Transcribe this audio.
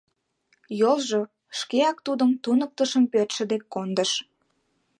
Йолжо шкеак тудым туныктышын пӧртшӧ дек кондыш.